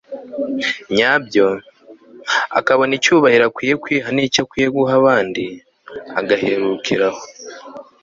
nyabyo ; akabona icyubahiro akwiye kwiha n'icyo akwiye guha abandi, agaherukira aho